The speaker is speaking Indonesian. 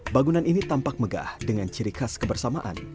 bangunan ini tampak megah dengan ciri khas kebersamaan